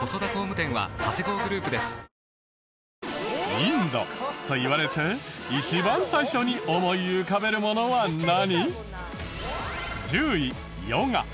「インド」と言われて一番最初に思い浮かべるものは何？